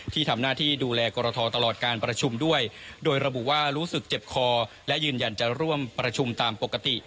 ที่ทำหน้าที่ดูแลกรทตลอดการประชุมด้วยโดยระบุว่ารู้สึกเจ็บคอและยืนยันจะร่วมประชุมตามปกติ